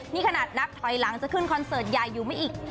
นี่ขนาดนับถอยหลังจะขึ้นคอนเสิร์ตใหญ่อยู่ไม่อีก